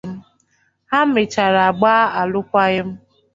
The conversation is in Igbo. Ha mechara gbaa alụkwaghịm.